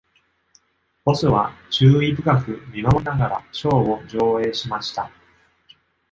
ボスは注意深く見守りながらショーを上映しました。